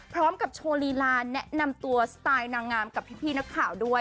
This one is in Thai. พร้อมกับโชว์ลีลาแนะนำตัวสไตล์นางงามกับพี่นักข่าวด้วย